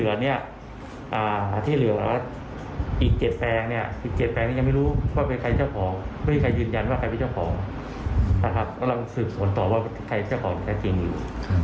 วันนี้ก็ยังตรวจสอบอยู่